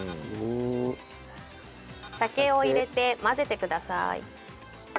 酒を入れて混ぜてください。